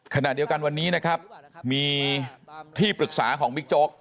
ขณะเดียวกันวันนี้นะครับมีที่ปรึกษาของบิ๊กโจ๊ก